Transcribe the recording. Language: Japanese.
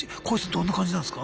どんな感じなんすか？